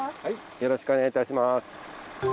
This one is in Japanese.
よろしくお願いします。